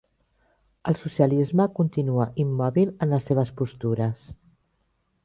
El socialisme continua immòbil en les seves postures